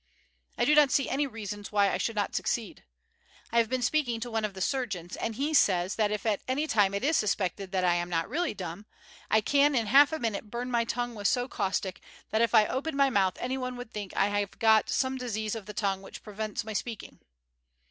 I do not see any reasons why I should not succeed. I have been speaking to one of the surgeons, and he says that if at any time it is suspected that I am not really dumb, I can in half a minute burn my tongue so with caustic that if I open my mouth anyone would think I have got some disease of the tongue which prevents my speaking.